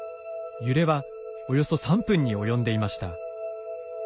揺れはおよそ３分に及んでいました。